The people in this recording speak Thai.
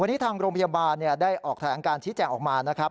วันนี้ทางโรงพยาบาลได้ออกแถลงการชี้แจงออกมานะครับ